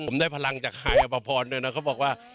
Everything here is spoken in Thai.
ผมได้พลังจากฮายอภพรด้วยนะเขาบอกว่า